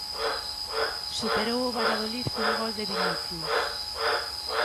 Superou o Valladolid cun gol de Vinicius.